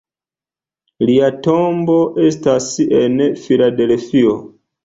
Lia tombo estas en Filadelfio.